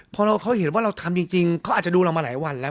พอเขาเห็นว่าเราทำจริงเขาอาจจะดูเรามาหลายวันแล้ว